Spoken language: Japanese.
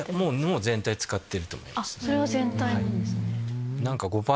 それは全体なんですね。